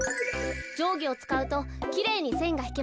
じょうぎをつかうときれいにせんがひけますからね。